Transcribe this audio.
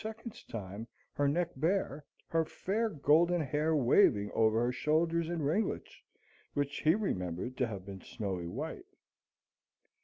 's time; her neck bare, her fair golden hair waving over her shoulders in ringlets which he remembered to have seen snowy white.